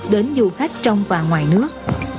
đến du khách trong và ngoài nước